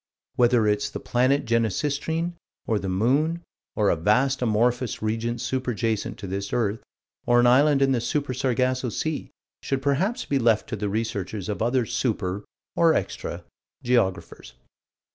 Whether it's the planet Genesistrine, or the moon, or a vast amorphous region super jacent to this earth, or an island in the Super Sargasso Sea, should perhaps be left to the researches of other super or extra geographers.